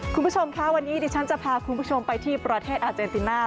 คุณผู้ชมค่ะวันนี้ดิฉันจะพาคุณผู้ชมไปที่ประเทศอาเจนติน่า